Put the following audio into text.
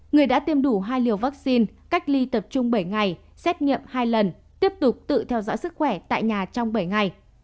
người đã tiêm đủ hai liều vaccine cách ly tập trung bảy ngày xét nghiệm hai lần tiếp tục tự theo dõi sức khỏe tại nhà trong bảy ngày